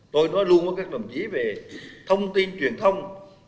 tôi nói luôn với các đồng chí về thông tin truyền thông